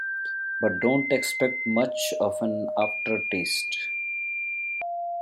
But don't expect much of an aftertaste.